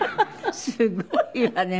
すごいわね。